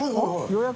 予約？